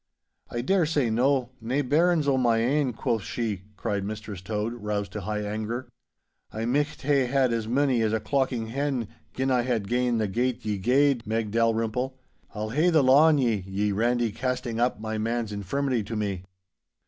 'I daresay no, "nae bairns o' my ain," quo' she,' cried Mistress Tode, roused to high anger. 'I micht hae had as mony as a clockin' hen, gin I had gane the gate ye gaed, Meg Dalrymple. I'll hae the law on ye, ye randy, casting up my man's infirmity to me.